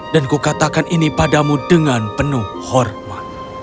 dan kukatakan ini padamu dengan penuh hormat